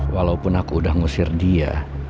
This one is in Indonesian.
walaupun aku udah ngusir dia